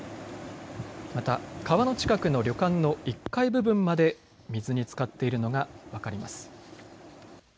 また川の近くの旅館の１階部分まで水につかっているのが分かります。